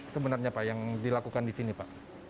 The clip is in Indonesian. sebenarnya pak yang dilakukan di sini pak